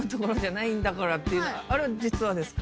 あれは実話ですか？